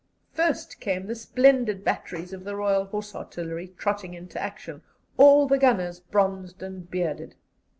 First came the splendid batteries of the Royal Horse Artillery trotting into action, all the gunners bronzed and bearded.